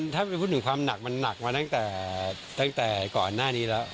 ถ้าไปพูดถึงความหนักมันหนักมาตั้งแต่ก่อนหน้านี้แล้ว